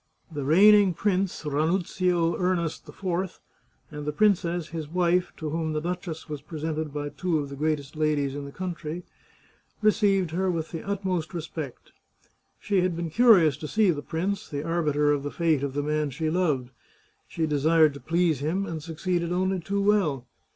The reigning prince, Ranuzio Ernest IV, and the princess, his wife, to whom the duchess was presented by two of the greatest ladies in the country, received her with the utmost respect. She had been curious to see the prince, the arbiter of the fate of the man she loved. She desired to please him, and succeeded only too well.